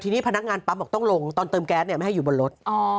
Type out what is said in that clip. ทีนี้พนักงานปั๊มบอกต้องลงตอนเติมแก๊สเนี่ยไม่ให้อยู่บนรถ